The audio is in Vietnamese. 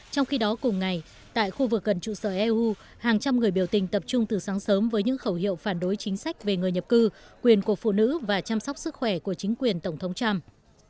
trong khi đó cùng ngày tại khu vực gần trụ sở eu hàng trăm người biểu tình tập trung từ sáng sớm với những khẩu hiệu phản đối chính sách về người nhập cư quyền của phụ nữ và chăm sóc sức khỏe của chính quyền tổng thống trump